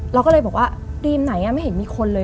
เราก็เลยบอกว่ารีมไหนไม่เห็นมีคนเลย